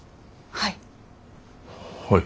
はい。